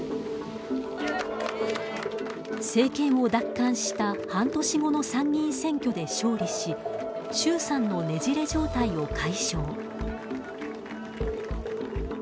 政権を奪還した半年後の参議院選挙で勝利し衆参のねじれ状態を解消。